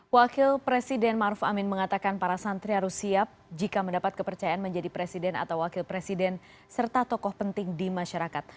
wakil presiden maruf amin mengatakan para santri harus siap jika mendapat kepercayaan menjadi presiden atau wakil presiden serta tokoh penting di masyarakat